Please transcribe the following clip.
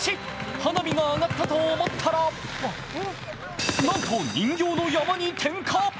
花火が上がったと思ったらなんと人形の山に点火。